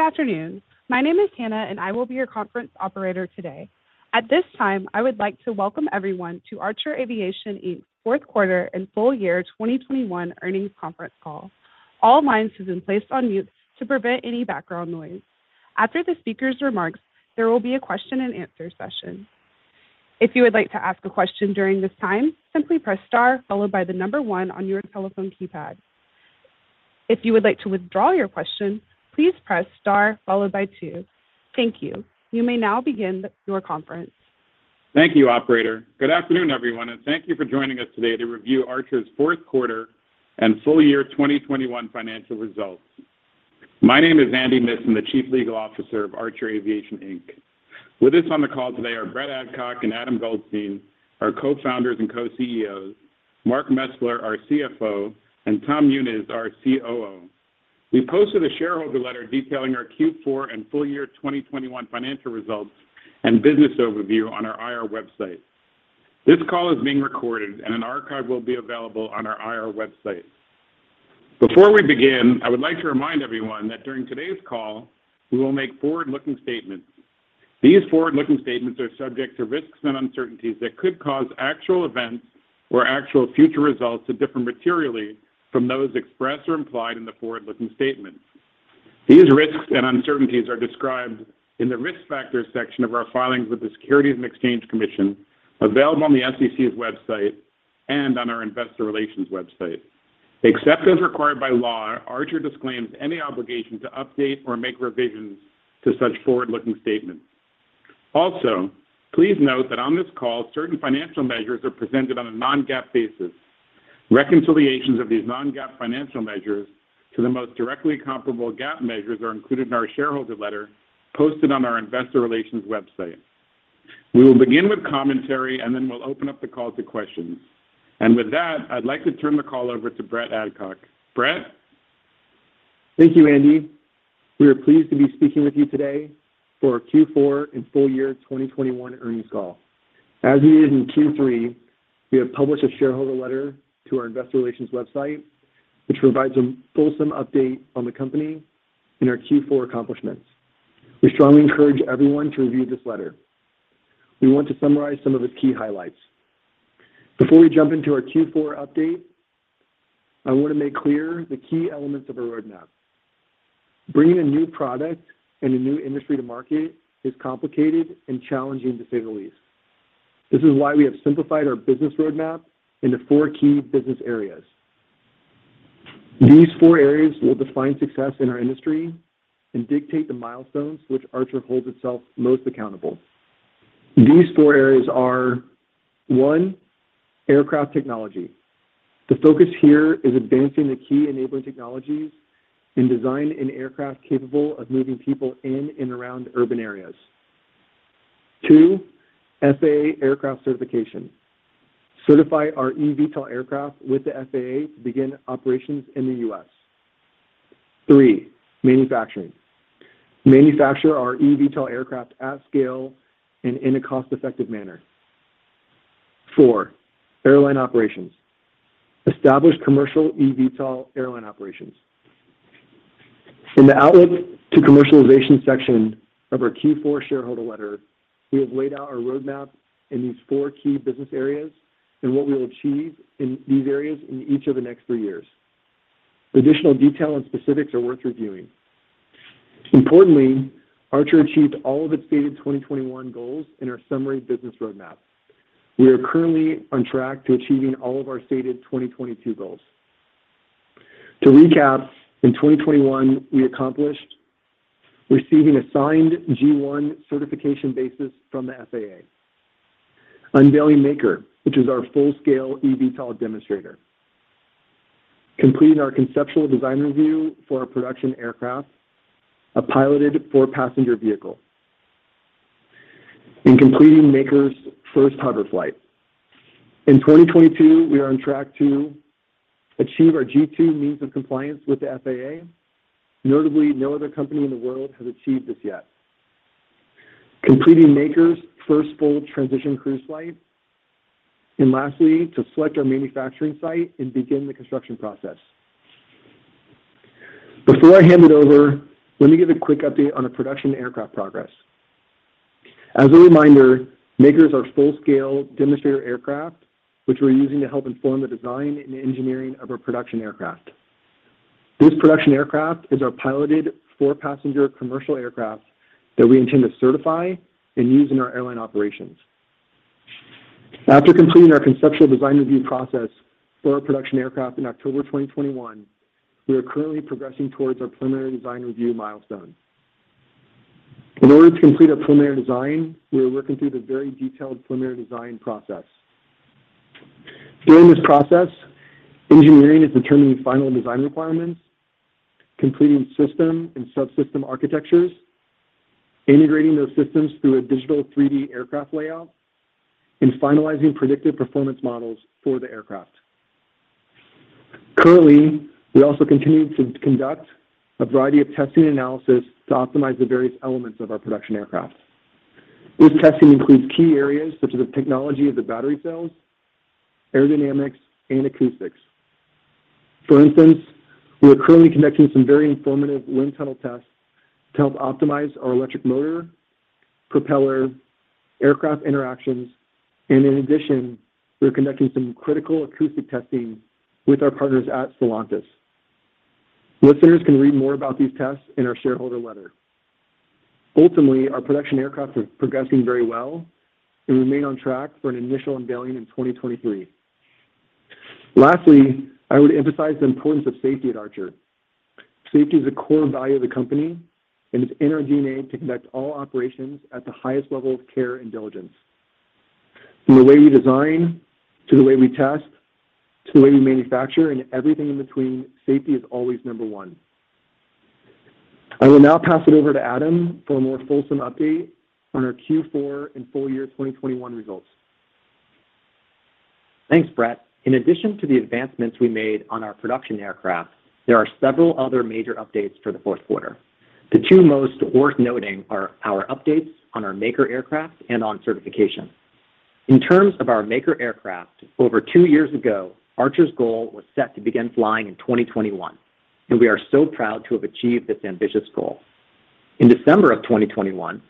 Good afternoon. My name is Hannah, and I will be your conference operator today. At this time, I would like to welcome everyone to Archer Aviation Inc's fourth quarter and full year 2021 earnings conference call. All lines have been placed on mute to prevent any background noise. After the speaker's remarks, there will be a question and answer session. If you would like to ask a question during this time, simply press star followed by the number one on your telephone keypad. If you would like to withdraw your question, please press star followed by two. Thank you. You may now begin your conference. Thank you, operator. Good afternoon, everyone, and thank you for joining us today to review Archer's fourth quarter and full year 2021 financial results. My name is Andy Missan. I'm the Chief Legal Officer of Archer Aviation Inc. With us on the call today are Brett Adcock and Adam Goldstein, our co-founders and co-CEOs, Mark Mesler, our CFO, and Tom Muniz, our COO. We posted a shareholder letter detailing our Q4 and full year 2021 financial results and business overview on our IR website. This call is being recorded and an archive will be available on our IR website. Before we begin, I would like to remind everyone that during today's call, we will make forward-looking statements. These forward-looking statements are subject to risks and uncertainties that could cause actual events or actual future results to differ materially from those expressed or implied in the forward-looking statements. These risks and uncertainties are described in the Risk Factors section of our filings with the Securities and Exchange Commission, available on the sSEC's website and on our investor relations website. Except as required by law, Archer disclaims any obligation to update or make revisions to such forward-looking statements. Also, please note that on this call, certain financial measures are presented on a non-GAAP basis. Reconciliations of these non-GAAP financial measures to the most directly comparable GAAP measures are included in our shareholder letter posted on our investor relations website. We will begin with commentary, and then we'll open up the call to questions. With that, I'd like to turn the call over to Brett Adcock. Brett? Thank you, Andy. We are pleased to be speaking with you today for our Q4 and full year 2021 earnings call. As we did in Q3, we have published a shareholder letter to our investor relations website, which provides a fulsome update on the company and our Q4 accomplishments. We strongly encourage everyone to review this letter. We want to summarize some of its key highlights. Before we jump into our Q4 update, I want to make clear the key elements of our roadmap. Bringing a new product and a new industry to market is complicated and challenging, to say the least. This is why we have simplified our business roadmap into four key business areas. These four areas will define success in our industry and dictate the milestones which Archer holds itself most accountable. These four areas are, one, aircraft technology. The focus here is advancing the key enabling technologies and design an aircraft capable of moving people in and around urban areas. Two. FAA aircraft certification. Certify our eVTOL aircraft with the FAA to begin operations in the U.S. Three. Manufacturing. Manufacture our eVTOL aircraft at scale and in a cost-effective manner. Four. Airline operations. Establish commercial eVTOL airline operations. In the outlook to commercialization section of our Q4 shareholder letter, we have laid out our roadmap in these four key business areas and what we will achieve in these areas in each of the next three years. Additional detail and specifics are worth reviewing. Importantly, Archer achieved all of its stated 2021 goals in our summary business roadmap. We are currently on track to achieving all of our stated 2022 goals. To recap, in 2021, we accomplished receiving a signed G-1 Certification basis from the FAA, unveiling Maker, which is our full-scale eVTOL demonstrator, completing our conceptual design review for our production aircraft, a piloted four-passenger vehicle, and completing Maker's first hover flight. In 2022, we are on track to achieve our G-2 Means of Compliance with the FAA, notably no other company in the world has achieved this yet, completing Maker's first full transition cruise flight, and lastly to select our manufacturing site and begin the construction process. Before I hand it over, let me give a quick update on our production aircraft progress. As a reminder, Maker is our full-scale demonstrator aircraft, which we're using to help inform the design and engineering of our production aircraft. This production aircraft is our piloted four-passenger commercial aircraft that we intend to certify and use in our airline operations. After completing our conceptual design review process for our production aircraft in October 2021, we are currently progressing towards our preliminary design review milestone. In order to complete our preliminary design, we are working through the very detailed preliminary design process. During this process, engineering is determining final design requirements, completing system and subsystem architectures, integrating those systems through a digital 3D aircraft layout, and finalizing predictive performance models for the aircraft. Currently, we also continue to conduct a variety of testing and analysis to optimize the various elements of our production aircraft. This testing includes key areas such as the technology of the battery cells, aerodynamics, and acoustics. For instance, we are currently conducting some very informative wind tunnel tests to help optimize our electric motor, propeller-aircraft interactions, and in addition, we are conducting some critical acoustic testing with our partners at Stellantis. Listeners can read more about these tests in our shareholder letter. Ultimately, our production aircraft are progressing very well and remain on track for an initial unveiling in 2023. Lastly, I would emphasize the importance of safety at Archer. Safety is a core value of the company, and it's in our DNA to conduct all operations at the highest level of care and diligence. From the way we design to the way we test to the way we manufacture and everything in between, safety is always number one. I will now pass it over to Adam for a more fulsome update on our Q4 and full year 2021 results. Thanks, Brett. In addition to the advancements we made on our production aircraft, there are several other major updates for the fourth quarter. The two most worth noting are our updates on our Maker aircraft and on Certification. In terms of our Maker aircraft, over two years ago, Archer's goal was set to begin flying in 2021, and we are so proud to have achieved this ambitious goal. In December of 2021,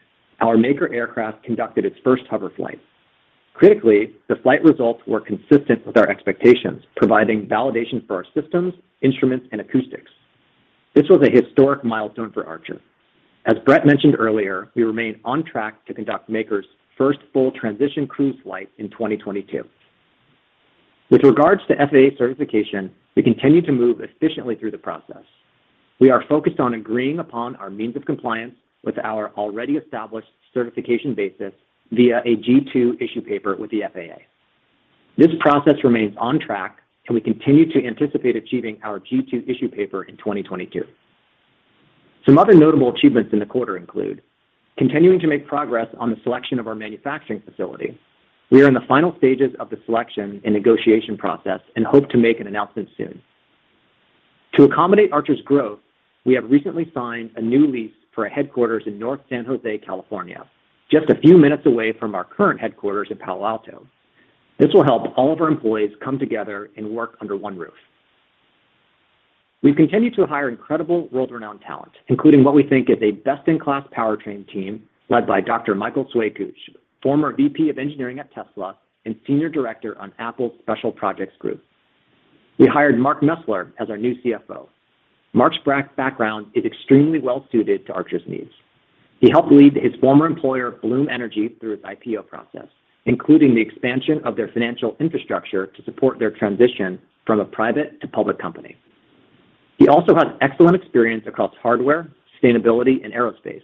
our Maker aircraft conducted its first hover flight. Critically, the flight results were consistent with our expectations, providing validation for our systems, instruments, and acoustics. This was a historic milestone for Archer. As Brett mentioned earlier, we remain on track to conduct Maker's first full transition cruise flight in 2022. With regards to FAA certification, we continue to move efficiently through the process. We are focused on agreeing upon our means of compliance with our already established certification basis via a G-2 Issue Paper with the FAA. This process remains on track, and we continue to anticipate achieving our G-2 Issue Paper in 2022. Some other notable achievements in the quarter include continuing to make progress on the selection of our manufacturing facility. We are in the final stages of the selection and negotiation process and hope to make an announcement soon. To accommodate Archer's growth, we have recently signed a new lease for a headquarters in North San Jose, California, just a few minutes away from our current headquarters in Palo Alto. This will help all of our employees come together and work under one roof. We've continued to hire incredible world-renowned talent, including what we think is a best-in-class powertrain team led by Dr. Michael Cervenka, former VP of engineering at Tesla and senior director on Apple's special projects group. We hired Mark Mesler as our new CFO. Mark's background is extremely well-suited to Archer's needs. He helped lead his former employer, Bloom Energy, through its IPO process, including the expansion of their financial infrastructure to support their transition from a private to public company. He also has excellent experience across hardware, sustainability, and aerospace.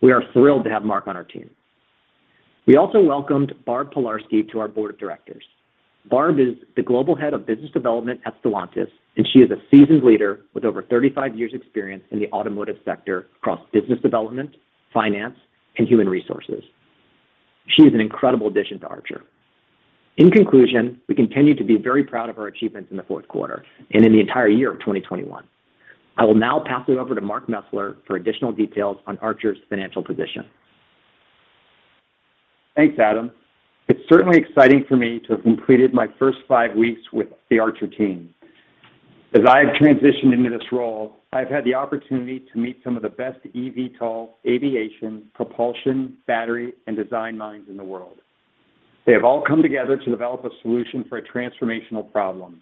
We are thrilled to have Mark on our team. We also welcomed Barb Pilarski to our board of directors. Barb is the global head of business development at Stellantis, and she is a seasoned leader with over 35 years' experience in the automotive sector across business development, finance, and human resources. She is an incredible addition to Archer. In conclusion, we continue to be very proud of our achievements in the fourth quarter and in the entire year of 2021. I will now pass it over to Mark Mesler for additional details on Archer's financial position. Thanks, Adam. It's certainly exciting for me to have completed my first five weeks with the Archer team. As I have transitioned into this role, I've had the opportunity to meet some of the best eVTOL aviation, propulsion, battery, and design minds in the world. They have all come together to develop a solution for a transformational problem,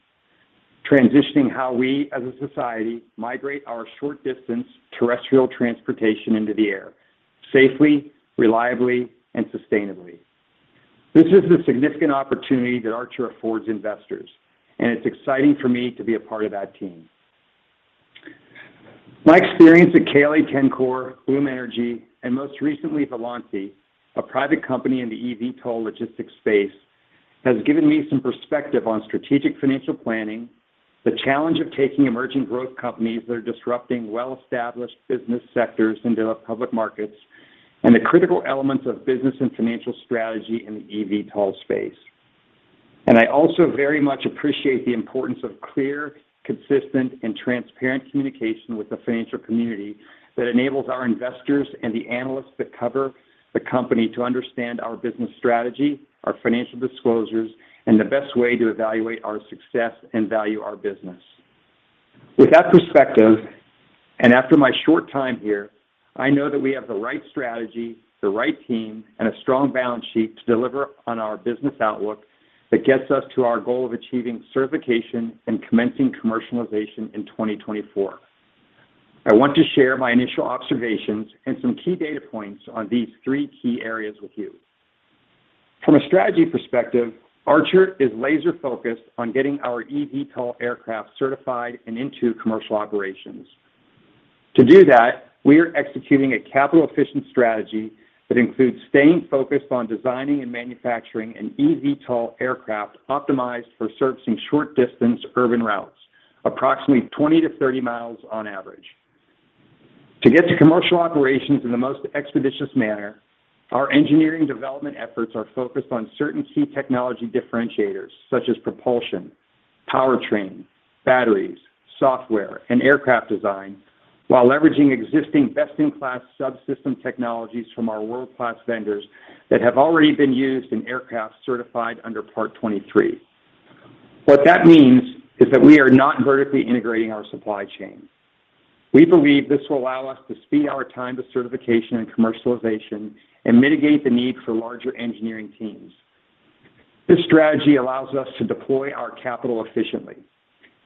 transitioning how we as a society migrate our short-distance terrestrial transportation into the air safely, reliably, and sustainably. This is the significant opportunity that Archer affords investors, and it's exciting for me to be a part of that team. My experience at KLA, Tencor, Bloom Energy, and most recently Volansi, a private company in the eVTOL logistics space, has given me some perspective on strategic financial planning, the challenge of taking emerging growth companies that are disrupting well-established business sectors into the public markets, and the critical elements of business and financial strategy in the eVTOL space. I also very much appreciate the importance of clear, consistent, and transparent communication with the financial community that enables our investors and the analysts that cover the company to understand our business strategy, our financial disclosures, and the best way to evaluate our success and value our business. With that perspective, and after my short time here, I know that we have the right strategy, the right team, and a strong balance sheet to deliver on our business outlook that gets us to our goal of achieving certification and commencing commercialization in 2024. I want to share my initial observations and some key data points on these three key areas with you. From a strategy perspective, Archer is laser-focused on getting our eVTOL aircraft certified and into commercial operations. To do that, we are executing a capital-efficient strategy that includes staying focused on designing and manufacturing an eVTOL aircraft optimized for servicing short-distance urban routes, approximately 20-30 mi on average. To get to commercial operations in the most expeditious manner, our engineering development efforts are focused on certain key technology differentiators such as propulsion, powertrain, batteries, software, and aircraft design, while leveraging existing best-in-class subsystem technologies from our world-class vendors that have already been used in aircraft certified under Part 23. What that means is that we are not vertically integrating our supply chain. We believe this will allow us to speed our time to certification and commercialization and mitigate the need for larger engineering teams. This strategy allows us to deploy our capital efficiently.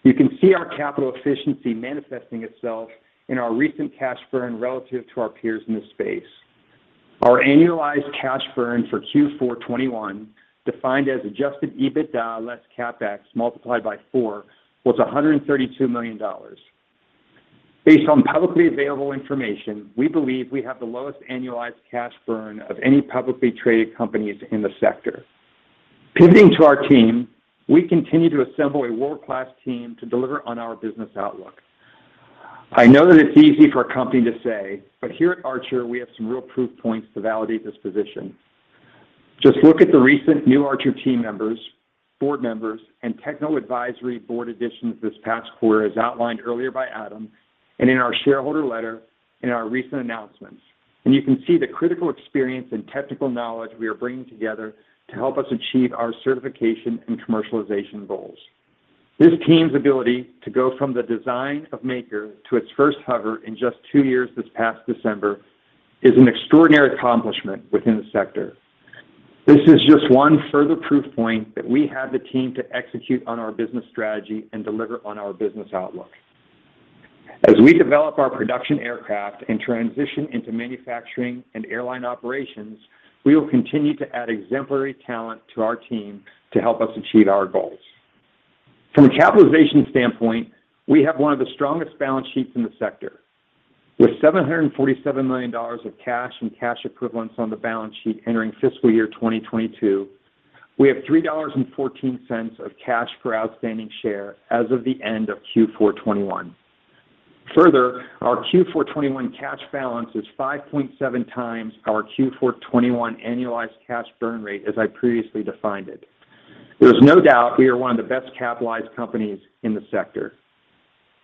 You can see our capital efficiency manifesting itself in our recent cash burn relative to our peers in this space. Our annualized cash burn for Q4 2021, defined as adjusted EBITDA less CapEx multiplied by four, was $132 million. Based on publicly available information, we believe we have the lowest annualized cash burn of any publicly traded companies in the sector. Pivoting to our team, we continue to assemble a world-class team to deliver on our business outlook. I know that it's easy for a company to say, but here at Archer, we have some real proof points to validate this position. Just look at the recent new Archer team members, board members, and technical advisory board additions this past quarter, as outlined earlier by Adam and in our shareholder letter in our recent announcements, and you can see the critical experience and technical knowledge we are bringing together to help us achieve our certification and commercialization goals. This team's ability to go from the design of Maker to its first hover in just two years this past December is an extraordinary accomplishment within the sector. This is just one further proof point that we have the team to execute on our business strategy and deliver on our business outlook. As we develop our production aircraft and transition into manufacturing and airline operations, we will continue to add exemplary talent to our team to help us achieve our goals. From a capitalization standpoint, we have one of the strongest balance sheets in the sector. With $747 million of cash and cash equivalents on the balance sheet entering fiscal year 2022, we have $3.14 of cash per outstanding share as of the end of Q4 2021. Further, our Q4 2021 cash balance is 5.7x our Q4 2021 annualized cash burn rate, as I previously defined it. There is no doubt we are one of the best-capitalized companies in the sector.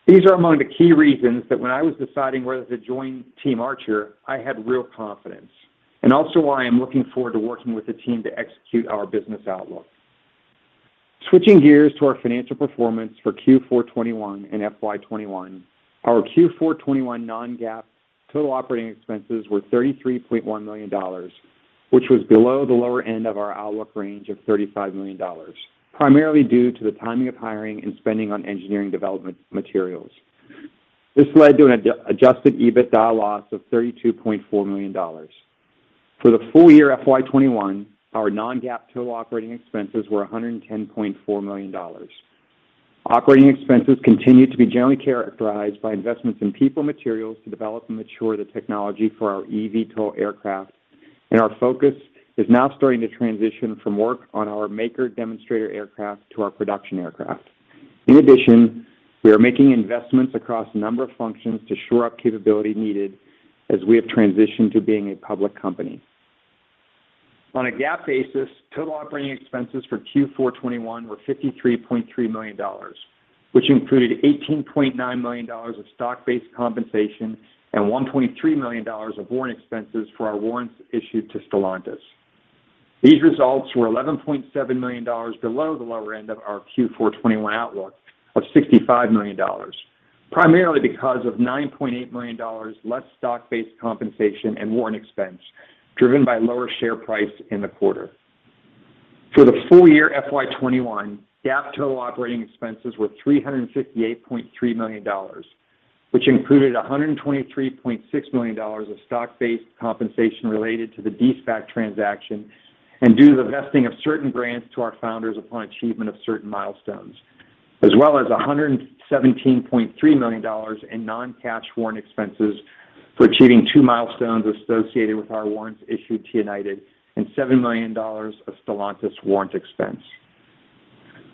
These are among the key reasons that when I was deciding whether to join team Archer, I had real confidence, and also why I am looking forward to working with the team to execute our business outlook. Switching gears to our financial performance for Q4 2021 and FY 2021, our Q4 2021 non-GAAP total operating expenses were $33.1 million, which was below the lower end of our outlook range of $35 million, primarily due to the timing of hiring and spending on engineering development materials. This led to an adjusted EBITDA loss of $32.4 million. For the full year FY 2021, our non-GAAP total operating expenses were $110.4 million. Operating expenses continue to be generally characterized by investments in people, materials to develop and mature the technology for our eVTOL aircraft, and our focus is now starting to transition from work on our Maker demonstrator aircraft to our production aircraft. In addition, we are making investments across a number of functions to shore up capability needed as we have transitioned to being a public company. On a GAAP basis, total operating expenses for Q4 2021 were $53.3 million, which included $18.9 million of stock-based compensation and $123 million of warrant expenses for our warrants issued to Stellantis. These results were $11.7 million below the lower end of our Q4 2021 outlook of $65 million, primarily because of $9.8 million less stock-based compensation and warrant expense, driven by lower share price in the quarter. For the full year FY 2021, GAAP total operating expenses were $358.3 million, which included $123.6 million of stock-based compensation related to the de-SPAC transaction and due to the vesting of certain grants to our founders upon achievement of certain milestones, as well as $117.3 million in non-cash warrant expenses for achieving two milestones associated with our warrants issued to United and $7 million of Stellantis warrant expense.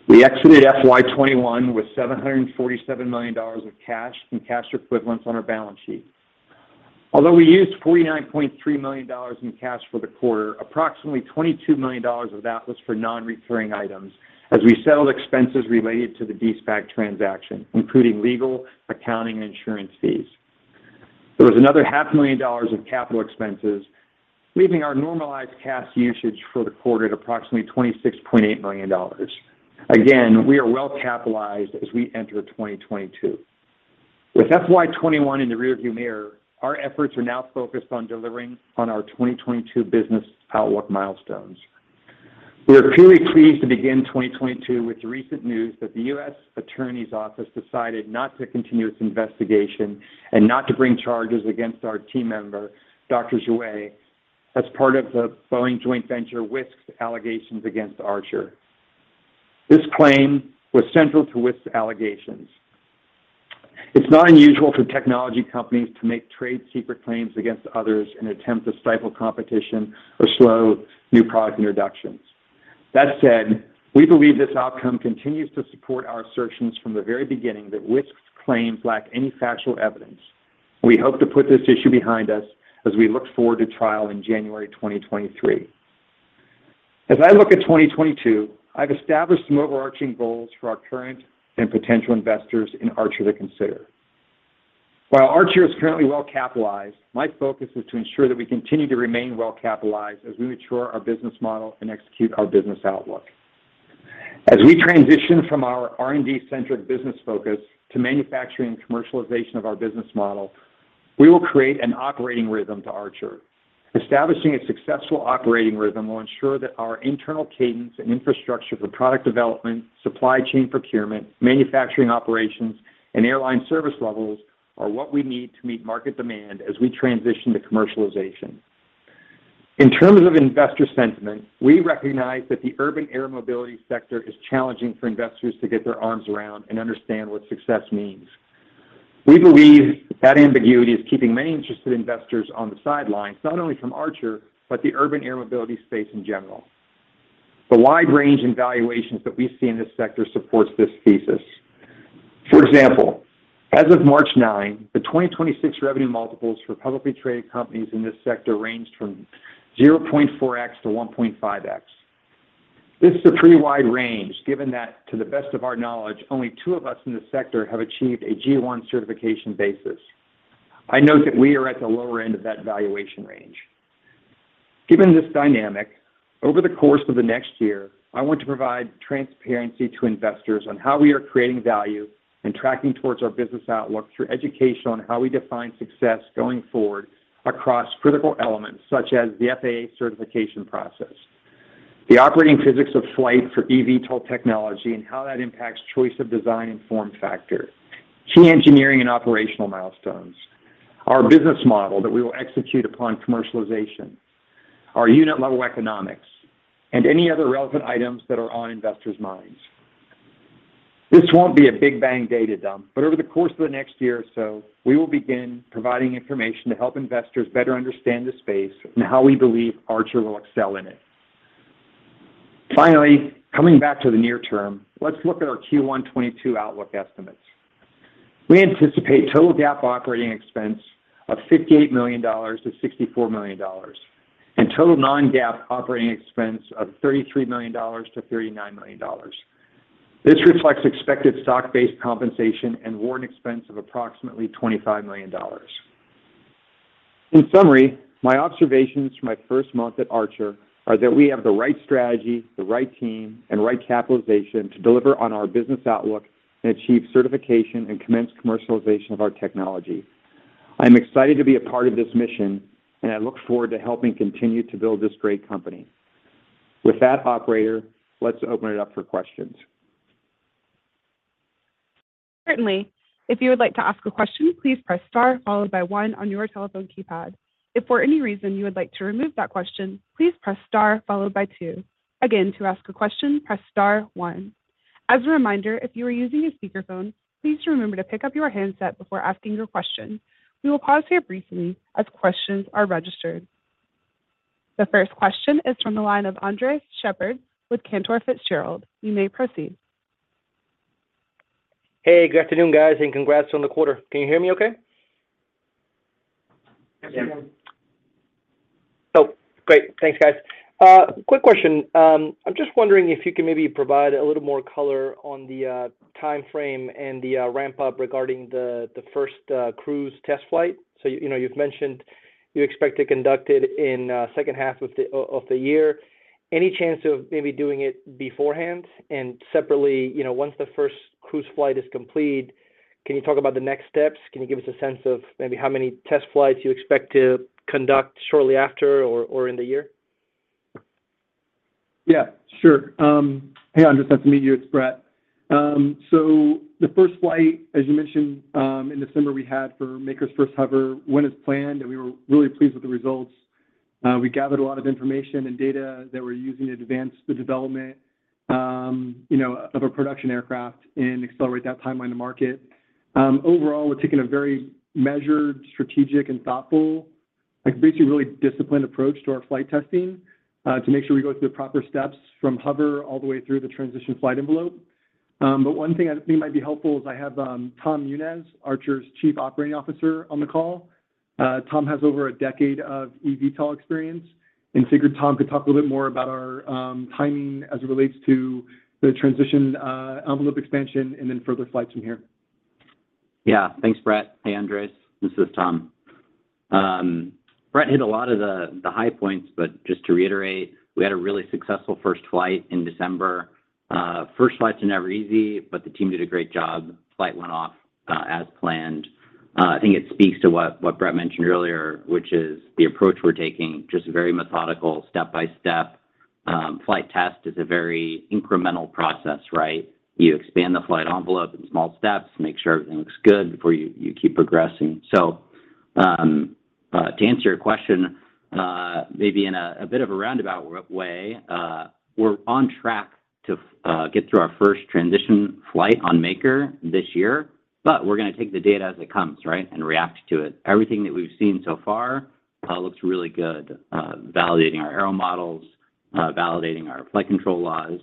We exited FY 2021 with $747 million of cash and cash equivalents on our balance sheet. Although we used $49.3 million in cash for the quarter, approximately $22 million of that was for non-recurring items as we settled expenses related to the de-SPAC transaction, including legal, accounting, and insurance fees. There was another $500,000 of capital expenses, leaving our normalized cash usage for the quarter at approximately $26.8 million. We are well-capitalized as we enter 2022. With FY 2021 in the rearview mirror, our efforts are now focused on delivering on our 2022 business outlook milestones. We are clearly pleased to begin 2022 with the recent news that the U.S. Attorney's Office decided not to continue its investigation and not to bring charges against our team member, Dr. Xue, as part of the Boeing joint venture, Wisk's allegations against Archer. This claim was central to Wisk's allegations. It's not unusual for technology companies to make trade secret claims against others in an attempt to stifle competition or slow new product introductions. That said, we believe this outcome continues to support our assertions from the very beginning that Wisk's claims lack any factual evidence. We hope to put this issue behind us as we look forward to trial in January 2023. As I look at 2022, I've established some overarching goals for our current and potential investors in Archer to consider. While Archer is currently well-capitalized, my focus is to ensure that we continue to remain well-capitalized as we mature our business model and execute our business outlook. As we transition from our R&D-centric business focus to manufacturing and commercialization of our business model, we will create an operating rhythm to Archer. Establishing a successful operating rhythm will ensure that our internal cadence and infrastructure for product development, supply chain procurement, manufacturing operations, and airline service levels are what we need to meet market demand as we transition to commercialization. In terms of investor sentiment, we recognize that the urban air mobility sector is challenging for investors to get their arms around and understand what success means. We believe that ambiguity is keeping many interested investors on the sidelines, not only from Archer, but the urban air mobility space in general. The wide range in valuations that we see in this sector supports this thesis. For example, as of March 9, 2026 revenue multiples for publicly traded companies in this sector ranged from 0.4-1.5x. This is a pretty wide range, given that to the best of our knowledge, only two of us in this sector have achieved a G-1 Certification basis. I note that we are at the lower end of that valuation range. Given this dynamic, over the course of the next year, I want to provide transparency to investors on how we are creating value and tracking towards our business outlook through education on how we define success going forward across critical elements such as the FAA certification process, the operating physics of flight for eVTOL technology and how that impacts choice of design and form factor, key engineering and operational milestones, our business model that we will execute upon commercialization, our unit-level economics, and any other relevant items that are on investors' minds. This won't be a big bang data dump, but over the course of the next year or so, we will begin providing information to help investors better understand the space and how we believe Archer will excel in it. Finally, coming back to the near term, let's look at our Q1 2022 outlook estimates. We anticipate total GAAP operating expense of $58 million-$64 million and total non-GAAP operating expense of $33 million-$39 million. This reflects expected stock-based compensation and warrant expense of approximately $25 million. In summary, my observations from my first month at Archer are that we have the right strategy, the right team, and right capitalization to deliver on our business outlook and achieve certification and commence commercialization of our technology. I'm excited to be a part of this mission, and I look forward to helping continue to build this great company. With that, operator, let's open it up for questions. Certainly. If you would like to ask a question, please press star followed by one on your telephone keypad. If for any reason you would like to remove that question, please press star followed by two. Again, to ask a question, press star one. As a reminder, if you are using a speakerphone, please remember to pick up your handset before asking your question. We will pause here briefly as questions are registered. The first question is from the line of Andres Sheppard with Cantor Fitzgerald. You may proceed. Hey, good afternoon, guys, and congrats on the quarter. Can you hear me okay? Yes. Oh, great. Thanks, guys. Quick question. I'm just wondering if you can maybe provide a little more color on the timeframe and the ramp-up regarding the first cruise test flight. So you know, you've mentioned you expect to conduct it in second half of the year. Any chance of maybe doing it beforehand? And separately, you know, once the first cruise flight is complete, can you talk about the next steps? Can you give us a sense of maybe how many test flights you expect to conduct shortly after or in the year? Yeah, sure. Hey, Andres. Nice to meet you. It's Brett. So the first flight, as you mentioned, in December, we had for Maker's first hover went as planned, and we were really pleased with the results. We gathered a lot of information and data that we're using to advance the development, you know, of a production aircraft and accelerate that timeline to market. Overall, we're taking a very measured, strategic, and thoughtful, like, basically really disciplined approach to our flight testing, to make sure we go through the proper steps from hover all the way through the transition flight envelope. One thing I think might be helpful is I have Tom Muniz, Archer's Chief Operating Officer, on the call. Tom has over a decade of eVTOL experience. Figured Tom could talk a little bit more about our timing as it relates to the transition, envelope expansion and then further flights from here. Yeah. Thanks, Brett. Hey, Andres. This is Tom. Brett hit a lot of the high points, but just to reiterate, we had a really successful first flight in December. First flights are never easy, but the team did a great job. Flight went off as planned. I think it speaks to what Brett mentioned earlier, which is the approach we're taking, just very methodical step-by-step. Flight test is a very incremental process, right? You expand the flight envelope in small steps, make sure everything looks good before you keep progressing. To answer your question, maybe in a bit of a roundabout way, we're on track to get through our first transition flight on Maker this year, but we're gonna take the data as it comes, right, and react to it. Everything that we've seen so far looks really good, validating our aero models, validating our flight control laws.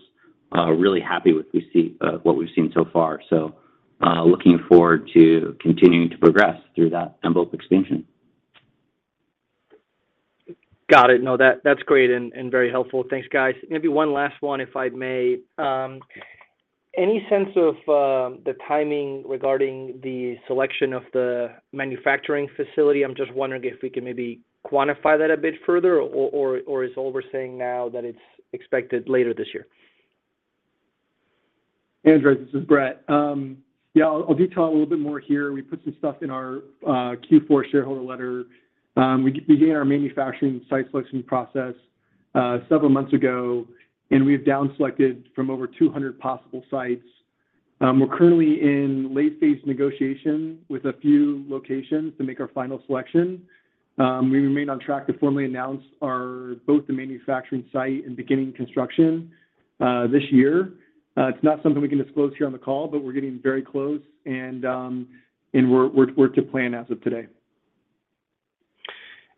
Really happy with what we've seen so far. Looking forward to continuing to progress through that envelope expansion. Got it. No, that's great and very helpful. Thanks, guys. Maybe one last one, if I may. Any sense of the timing regarding the selection of the manufacturing facility? I'm just wondering if we can maybe quantify that a bit further or is all we're saying now that it's expected later this year? Andres, this is Brett. Yeah, I'll detail a little bit more here. We put some stuff in our Q4 shareholder letter. We began our manufacturing site selection process several months ago, and we've down selected from over 200 possible sites. We're currently in late phase negotiation with a few locations to make our final selection. We remain on track to formally announce both the manufacturing site and beginning construction this year. It's not something we can disclose here on the call, but we're getting very close, and we're on plan as of today.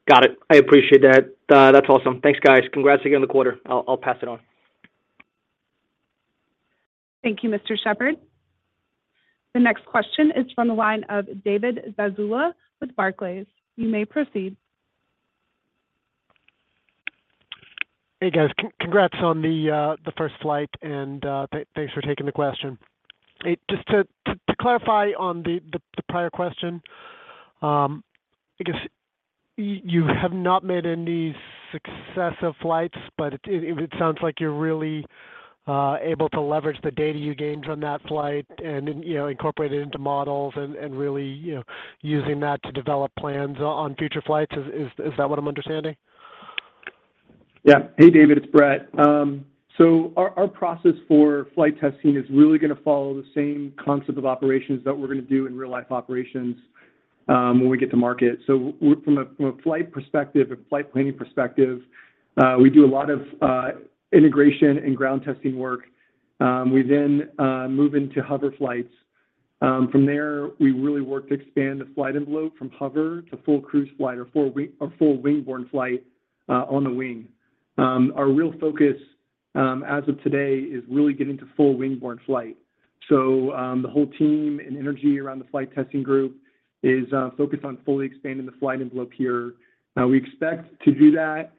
Got it. I appreciate that. That's awesome. Thanks, guys. Congrats again on the quarter. I'll pass it on. Thank you, Mr. Sheppard. The next question is from the line of David Zazula with Barclays. You may proceed. Hey, guys. Congrats on the first flight and thanks for taking the question. Hey, just to clarify on the prior question, I guess you have not made any successive flights, but it sounds like you're really able to leverage the data you gained from that flight and, you know, incorporate it into models and really, you know, using that to develop plans on future flights. Is that what I'm understanding? Yeah. Hey, David, it's Brett. Our process for flight testing is really going to follow the same concept of operations that we're going to do in real-life operations when we get to market. From a flight perspective, a flight planning perspective, we do a lot of integration and ground testing work. We then move into hover flights. From there, we really work to expand the flight envelope from hover to full cruise flight or full wing-borne flight on the wing. Our real focus as of today is really getting to full wing-borne flight. The whole team and energy around the flight testing group is focused on fully expanding the flight envelope here. We expect to do that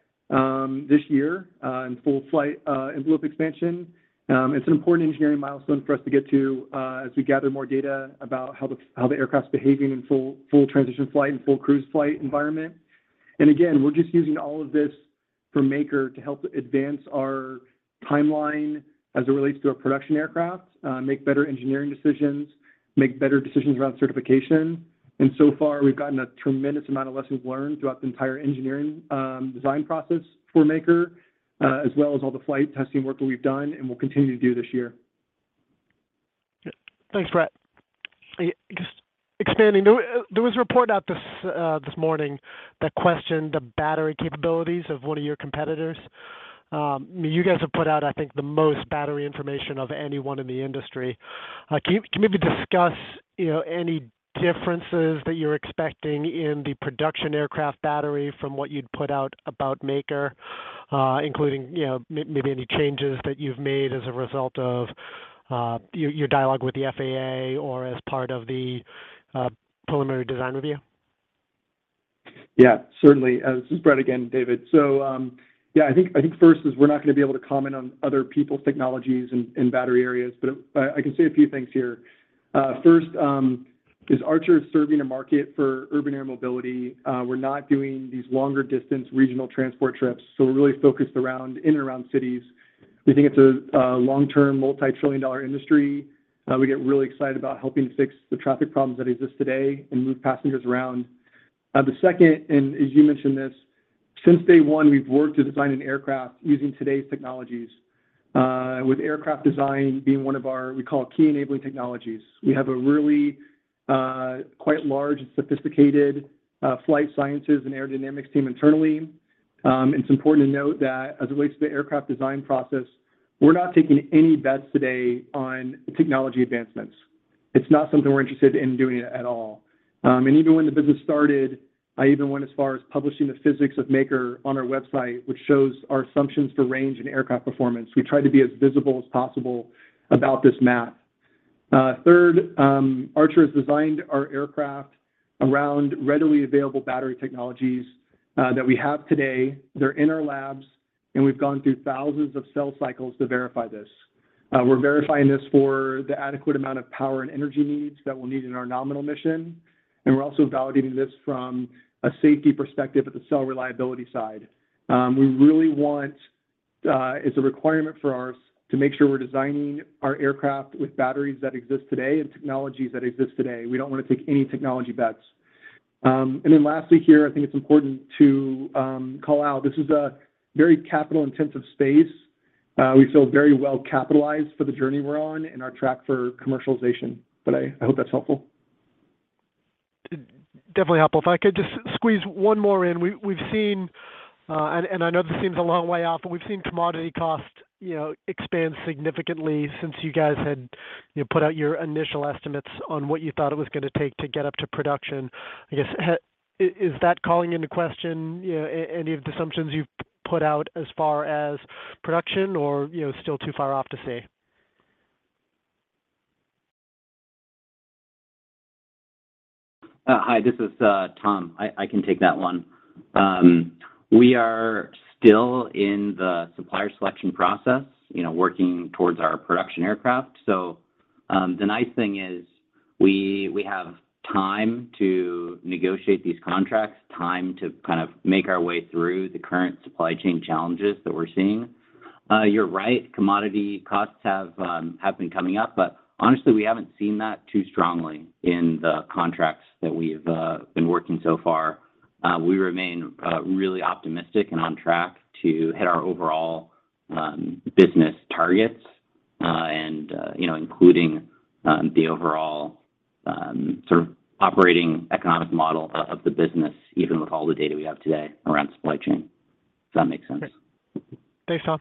this year in full flight envelope expansion. It's an important engineering milestone for us to get to, as we gather more data about how the aircraft's behaving in full transition flight and full cruise flight environment. Again, we're just using all of this for Maker to help advance our timeline as it relates to our production aircraft, make better engineering decisions, make better decisions around certification. So far, we've gotten a tremendous amount of lessons learned throughout the entire engineering design process for Maker, as well as all the flight testing work that we've done and will continue to do this year. Thanks, Brett. Just expanding, there was a report out this morning that questioned the battery capabilities of one of your competitors. You guys have put out, I think, the most battery information of anyone in the industry. Can you maybe discuss, you know, any differences that you're expecting in the production aircraft battery from what you'd put out about Maker, including, you know, maybe any changes that you've made as a result of your dialogue with the FAA or as part of the preliminary design review? Certainly. This is Brett again, David. I think first we're not going to be able to comment on other people's technologies in battery areas, but I can say a few things here. First, Archer is serving a market for urban air mobility. We're not doing these longer distance regional transport trips, so we're really focused in and around cities. We think it's a long-term multi-trillion dollar industry. We get really excited about helping to fix the traffic problems that exist today and move passengers around. Second, as you mentioned, since day one, we've worked to design an aircraft using today's technologies, with aircraft design being one of our key enabling technologies. We have a really, quite large and sophisticated, flight sciences and aerodynamics team internally. It's important to note that as it relates to the aircraft design process, we're not taking any bets today on technology advancements. It's not something we're interested in doing at all. Even when the business started, I even went as far as publishing the physics of Maker on our website, which shows our assumptions for range and aircraft performance. We try to be as visible as possible about this math. Archer has designed our aircraft around readily available battery technologies that we have today. They're in our labs, and we've gone through thousands of cell cycles to verify this. We're verifying this for the adequate amount of power and energy needs that we'll need in our nominal mission, and we're also validating this from a safety perspective at the cell reliability side. We really want to make sure we're designing our aircraft with batteries that exist today and technologies that exist today. We don't want to take any technology bets. Lastly here, I think it's important to call out that this is a very capital-intensive space. We feel very well capitalized for the journey we're on and our track for commercialization. I hope that's helpful. Definitely helpful. If I could just squeeze one more in. We've seen and I know this seems a long way off, but we've seen commodity cost, you know, expand significantly since you guys had, you know, put out your initial estimates on what you thought it was going to take to get up to production. I guess is that calling into question, you know, any of the assumptions you've put out as far as production or, you know, still too far off to say? Hi, this is Tom. I can take that one. We are still in the supplier selection process, you know, working towards our production aircraft. The nice thing is we have time to negotiate these contracts, time to kind of make our way through the current supply chain challenges that we're seeing. You're right, commodity costs have been coming up, but honestly, we haven't seen that too strongly in the contracts that we've been working so far. We remain really optimistic and on track to hit our overall business targets, and you know, including the overall sort of operating economic model of the business, even with all the data we have today around supply chain. Does that make sense? Thanks, Tom.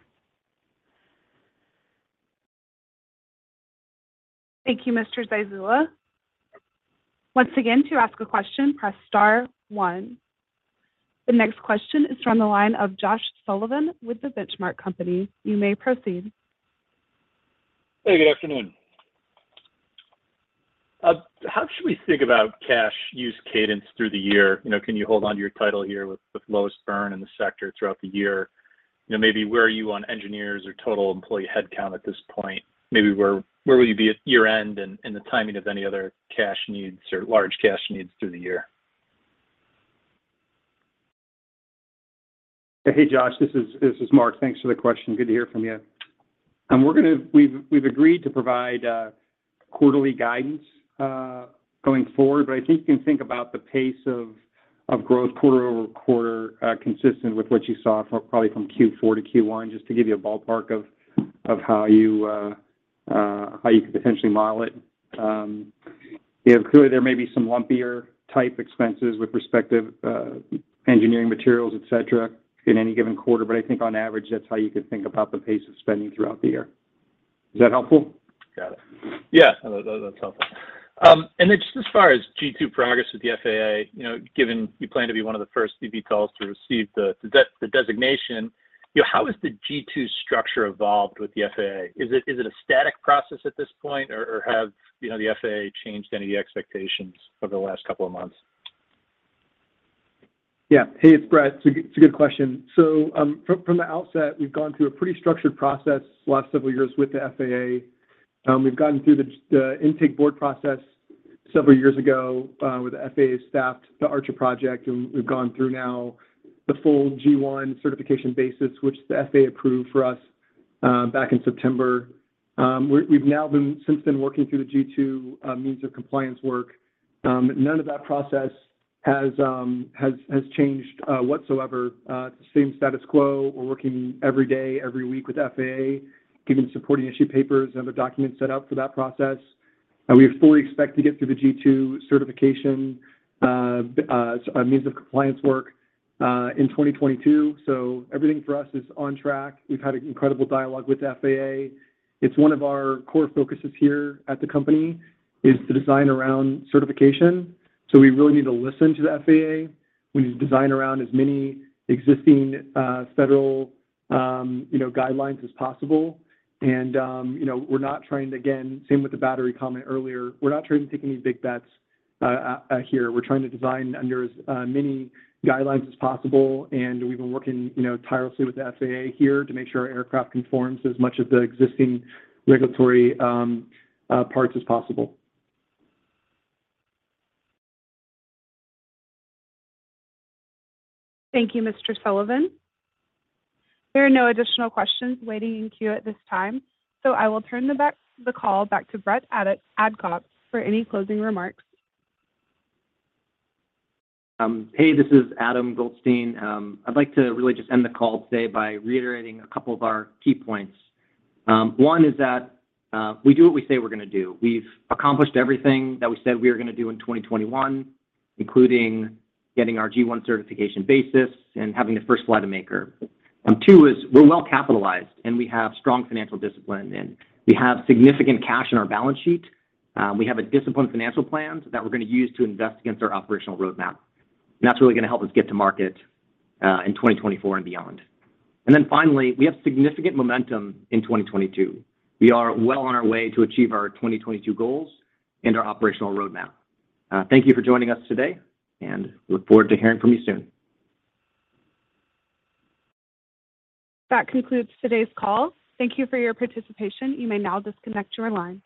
Thank you, Mr. Zazula. Once again, to ask a question, press star one. The next question is from the line of Josh Sullivan with The Benchmark Company. You may proceed. Hey, good afternoon. How should we think about cash use cadence through the year? You know, can you hold onto your title here with lowest burn in the sector throughout the year? You know, maybe where are you on engineers or total employee headcount at this point? Maybe where will you be at year-end and the timing of any other cash needs or large cash needs through the year? Hey, Josh, this is Mark. Thanks for the question. Good to hear from you. We've agreed to provide quarterly guidance going forward, but I think you can think about the pace of growth quarter-over-quarter, consistent with what you saw from probably Q4 to Q1, just to give you a ballpark of how you could potentially model it. You know, clearly there may be some lumpier type expenses with respective engineering materials, et cetera, in any given quarter. I think on average, that's how you could think about the pace of spending throughout the year. Is that helpful? Got it. Yeah, no, that's helpful. Just as far as G-2 progress with the FAA, you know, given you plan to be one of the first eVTOLs to receive the designation, you know, how has the G-2 structure evolved with the FAA? Is it a static process at this point or have, you know, the FAA changed any of the expectations over the last couple of months? Yeah. Hey, it's Brett. It's a good question. From the outset, we've gone through a pretty structured process the last several years with the FAA. We've gotten through the intake board process several years ago with the FAA staff, the Archer project, and we've gone through now the full G-1 Certification basis, which the FAA approved for us back in September. We've now been working through the G-2 Means of Compliance work. None of that process has changed whatsoever, the same status quo. We're working every day, every week with FAA, giving supporting issue papers and other documents set out for that process. We fully expect to get through the G-2 Certification Means of Compliance work in 2022. Everything for us is on track. We've had an incredible dialogue with FAA. It's one of our core focuses here at the company is to design around certification, so we really need to listen to the FAA. We need to design around as many existing, federal, you know, guidelines as possible. You know, we're not trying to, again, same with the battery comment earlier, we're not trying to take any big bets here. We're trying to design under as many guidelines as possible, and we've been working, you know, tirelessly with the FAA here to make sure our aircraft conforms as much of the existing regulatory, parts as possible. Thank you, Mr. Sullivan. There are no additional questions waiting in queue at this time, so I will turn the call back to Brett Adcock for any closing remarks. Hey, this is Adam Goldstein. I'd like to really just end the call today by reiterating a couple of our key points. One is that we do what we say we're gonna do. We've accomplished everything that we said we were gonna do in 2021, including getting our G-1 Certification basis and having the first flight of Maker. Two is we're well-capitalized, and we have strong financial discipline, and we have significant cash in our balance sheet. We have a disciplined financial plan that we're gonna use to invest against our operational roadmap, and that's really gonna help us get to market in 2024 and beyond. Finally, we have significant momentum in 2022. We are well on our way to achieve our 2022 goals and our operational roadmap. Thank you for joining us today, and I look forward to hearing from you soon. That concludes today's call. Thank you for your participation. You may now disconnect your line.